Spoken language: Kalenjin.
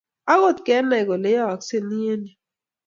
Agot Kenay kole yoyosgee ne eng yuu